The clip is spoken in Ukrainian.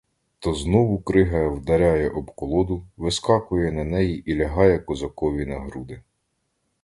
То знову крига вдаряє об колоду, вискакує на неї і лягає козакові на груди.